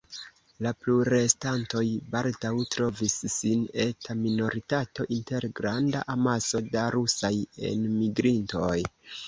La plurestantoj baldaŭ trovis sin eta minoritato inter granda amaso da rusaj enmigrintoj.